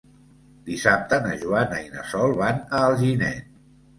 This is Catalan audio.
Dissabte na Joana i na Sol van a Alginet.